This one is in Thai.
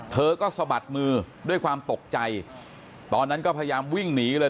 เธอก็สะบัดมือด้วยความตกใจตอนนั้นก็พยายามวิ่งหนีเลย